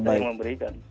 saya yang memberikan